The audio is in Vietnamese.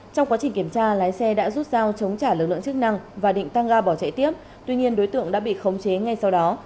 trong quá trình kiểm tra lái xe đã rút dao chống trả lực lượng chức năng và định tăng ga bỏ chạy tiếp tuy nhiên đối tượng đã bị khống chế ngay sau đó